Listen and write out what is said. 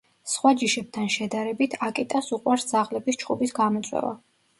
სხვა ჯიშებთან შედარებით აკიტას უყვარს ძაღლების ჩხუბის გამოწვევა.